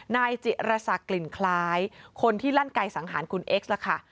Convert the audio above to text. นายจิรษักกลิ่นคล้ายคนที่ลั่นไกลสังหารคุณเอ็กซล่ะค่ะ